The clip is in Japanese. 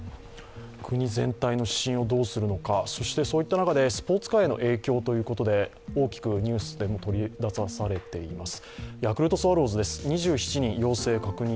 国全体の指針をどうするのか、そういった中でスポーツ界への影響ということで、大きくニュースでも取りざたされています。